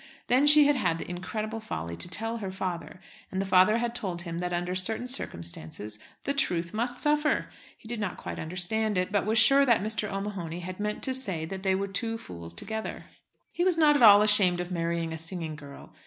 Then she had had the incredible folly to tell her father, and the father had told him that under certain circumstances the "truth must suffer." He did not quite understand it, but was sure that Mr. O'Mahony had meant to say that they were two fools together. He was not at all ashamed of marrying a singing girl.